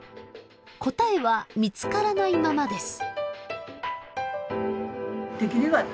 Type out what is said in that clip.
答えは見つからないままです。